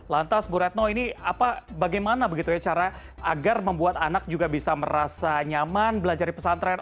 lantas bu retno ini bagaimana begitu ya cara agar membuat anak juga bisa merasa nyaman belajar di pesantren